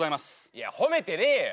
いや褒めてねえよ。